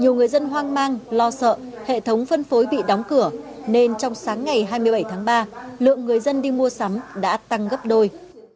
nhiều người dân hoang mang lo sợ hệ thống phân phối bị đóng cửa nên trong sáng ngày hai mươi bảy tháng ba lượng người dân đi mua sắm đã tăng gấp đôi